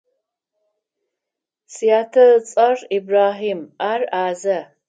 Сятэ ыцӏэр Ибрахьим, ар ӏазэ.